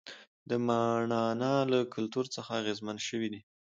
د ماڼانا له کلتور څخه اغېزمن شوي دي.